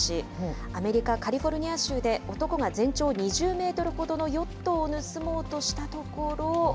アメリカ・カリフォルニア州で男が全長２０メートルほどのヨット技がなくて？